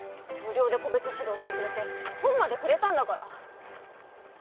無料で個別指導してくれて本までくれたんだから。